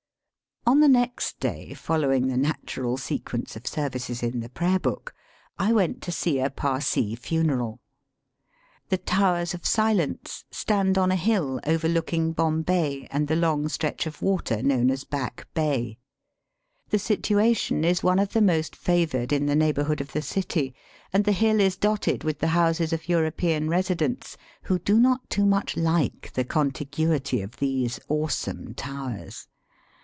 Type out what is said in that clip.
On the next day, following the natural sequence of services in the prayer book, I went to see a Parsee funeral. The Towers of Silence stand on a hill overlooking Bombay and the long stretch of water known as Back Bay. The situation is one of the most favoured in the neighbourhood of the city, and the hiU is dotted with the houses of European residents who do not too much like the contiguity of these awesome Towers.